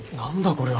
これは。